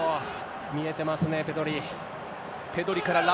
見えてますね、ペドリ。